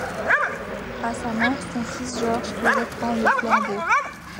À sa mort, son fils Georges qui reprend le flambeau.